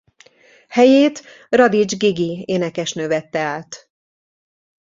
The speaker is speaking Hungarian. Helyét Radics Gigi énekesnő vette át.